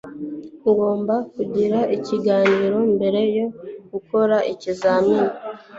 ngomba kugira ikiganiro mbere yo gukora ikizamini